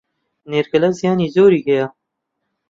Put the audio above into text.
نێرگەلە زیانی زۆری هەیە